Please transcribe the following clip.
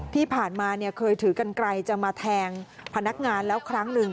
ที่ผ่านมาเคยถือกันไกลจะมาแทงพนักงานแล้วครั้งหนึ่ง